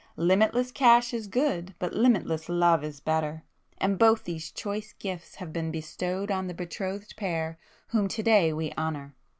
Limitless cash is good, but limitless love is better, and both these choice gifts have been bestowed on the betrothed pair whom to day we honour.